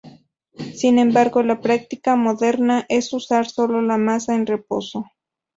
Sin embargo, la práctica moderna es usar solo la masa en reposo.